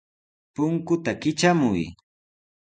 Punkuta kitramuy.